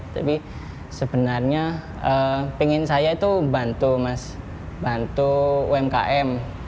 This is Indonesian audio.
tapi sebenarnya pengen saya itu bantu mas bantu umkm